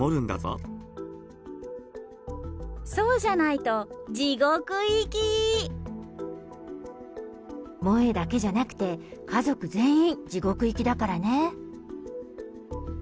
そうじゃないと、萌だけじゃなくて、家族全員、地獄行きだからね。